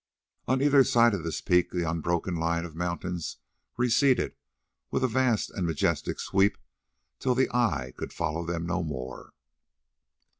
On either side of this peak the unbroken line of mountains receded with a vast and majestic sweep till the eye could follow them no more.